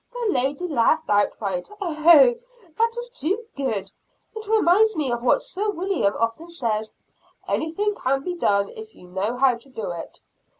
The lady laughed outright. "Oh, that is too good! It reminds me of what Sir William often says, 'Anything can be done, if you know how to do it!'